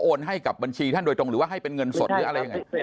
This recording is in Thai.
ให้กับบัญชีท่านโดยตรงหรือว่าให้เป็นเงินสดหรืออะไรยังไง